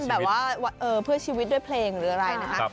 แบบว่าเพื่อชีวิตด้วยเพลงหรืออะไรนะคะ